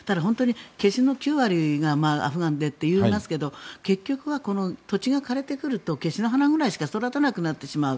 ケシの９割がアフガンでといいますけど結局は土地が枯れてくるとケシの花ぐらいしか育たなくなってしまう。